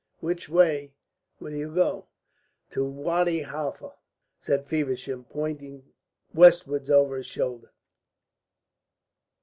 "Which way will you go?" "To Wadi Halfa," said Feversham, pointing westwards over his shoulder.